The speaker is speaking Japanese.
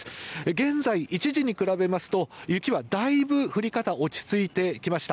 現在、一時に比べますと雪はだいぶ降り方が落ち着いてきました。